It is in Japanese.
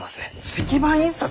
石版印刷？